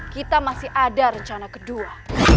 kita masih ada rencana kedua